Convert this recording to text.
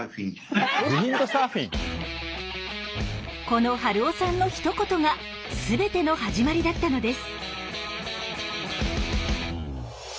この春雄さんのひと言が全ての始まりだったのです。